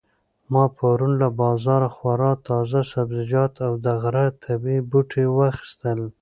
ما پرون له بازاره خورا تازه سبزیجات او د غره طبیعي بوټي واخیستل.